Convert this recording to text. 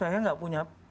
daerah lain kalau saya